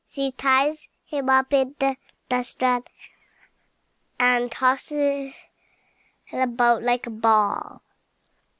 She ties him up in the duster, and tosses it about like a ball.